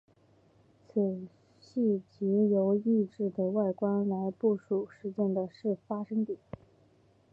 此系藉由异质的外观来部署事件的发生点。